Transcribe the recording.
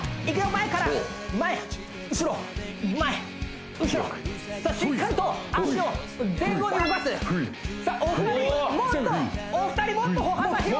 前から前後ろ前後ろさあしっかりと足を前後に動かすさあお二人もっとお二人もっと歩幅広く！